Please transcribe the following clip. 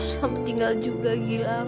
sampai tinggal juga gilang